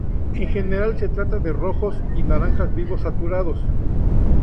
En general se trata de rojos y naranjas vivos, saturados.